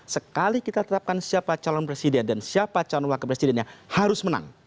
sekali kita tetapkan siapa calon presiden dan siapa calon wakil presidennya harus menang